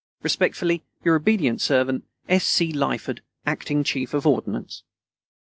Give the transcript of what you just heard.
Respectfully, your obedient servant, S. C. LYFORD, Acting Chief of Ordnance.